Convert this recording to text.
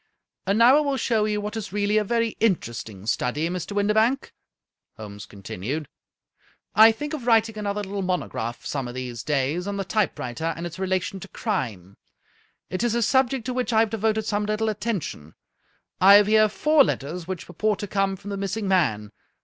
" And now I will show you what is really a very inter esting study, Mr. Windibank," Holmes continued. " I think of writing another little monograph some of these days on the typewriter and its relation to crime. It is a subject to which I have devoted some little attention. I have here four letters which purport to come from the missing man.